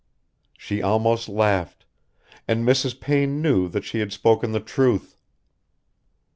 She almost laughed, and Mrs. Payne knew that she had spoken the truth.